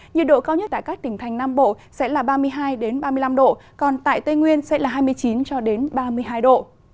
nhiệt độ cao nhất tại các tỉnh thành nam bộ sẽ là ba mươi hai ba mươi năm độ còn tại tây nguyên sẽ là hai mươi chín cho đến ba mươi hai độ